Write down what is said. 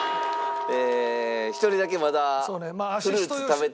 え１人だけまだフルーツ食べてない。